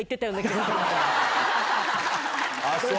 あっそう！